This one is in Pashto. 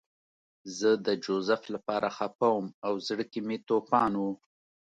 زه د جوزف لپاره خپه وم او زړه کې مې توپان و